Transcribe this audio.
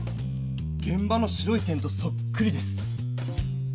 げん場の白い点とそっくりです！